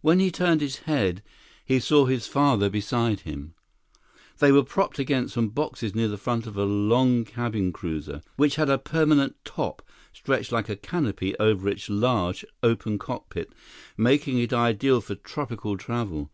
When he turned his head, he saw his father beside him. They were propped against some boxes near the front of a long cabin cruiser, which had a permanent top stretched like a canopy over its large, open cockpit, making it ideal for tropical travel.